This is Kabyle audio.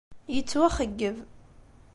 Yettwaxeyyeb.